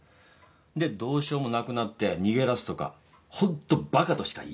でどうしようもなくなって逃げ出すとかほんとばかとしか言いようがない。